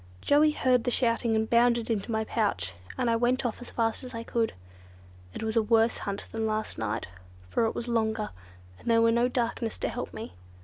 Joey heard the shouting and bounded into my pouch, and I went off as fast as I could. It was a worse hunt than last night, for it was longer, and there was no darkness to help me.